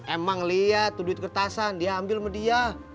emang liat tuh duit kertasan dia ambil sama dia